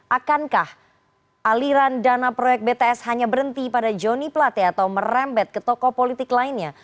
akankah aliran dana proyek bts hanya berhenti pada joni plate atau merembet ke toko politik lainnya